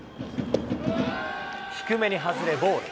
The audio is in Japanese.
低めに外れボール。